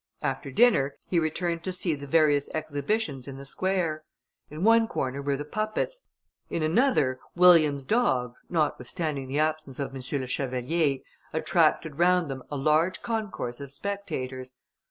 After dinner, he returned to see the various exhibitions in the square. In one corner were the puppets; in another, William's dogs, notwithstanding the absence of M. le Chevalier, attracted round them a large concourse of spectators.